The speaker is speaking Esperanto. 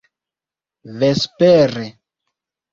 vespere